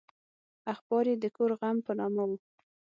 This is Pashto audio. اخبار یې د کور غم په نامه و.